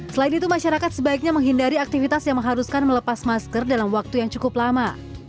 selain itu masyarakat sebaiknya menghindari aktivitas yang mengharuskan melepas masker dalam waktu yang cukup lama